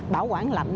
bảo quản lạnh